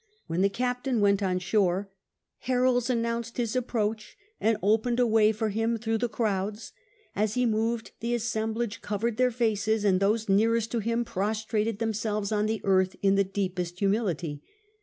When the captain went on shore, heralds announced his approach, and opened a way for him through Iho crow<la. As he moved, the asseniblaf;e covered tlieir faces, and those neare.st tohim prostrated thoiii selves on tlie earth in the dce^iest humility.